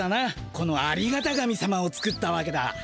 このありがた神様を作ったわけだ。